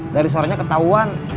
dari suaranya ketahuan